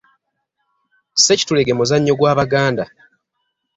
Ssekitulege muzannyo gw’Abaganda.